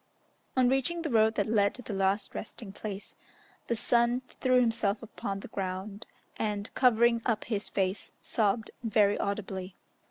On reaching the road that led to the last resting place, the son threw himself upon the ground, and, covering up his face, sobbed very audibly.